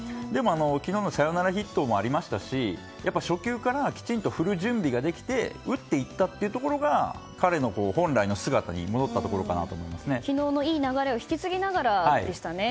昨日のサヨナラヒットもありましたし初球からきちんと振る準備ができて打っていったというところが彼の本来の姿に昨日のいい流れを引き継ぎながらでしたね。